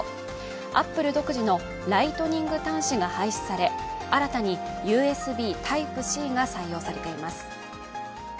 アップル独自のライトニング端子が廃止され、新たにＵＳＢＴｙｐｅ−Ｃが採用されています。